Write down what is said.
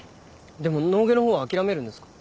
でも脳外の方は諦めるんですか？